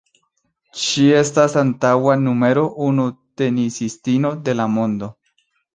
Ŝi estas antaŭa numero unu tenisistino de la mondo.